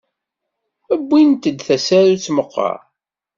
Wwint-d tasarut meqqar?